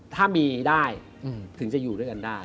ถ้ามีได้ถึงจะอยู่ด้วยกันได้